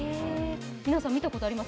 皆さん見たことあります？